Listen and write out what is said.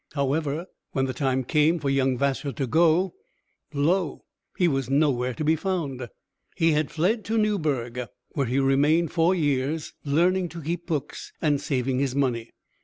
However, when the time came for young Vassar to go, lo, he was nowhere to be found. He fled to Newburg, where he remained four years, learning to keep books, and saving his money.